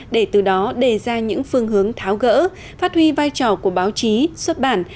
để từ đó đề ra những phương hướng tháo gỡ phát huy vai trò của báo chí xuất bản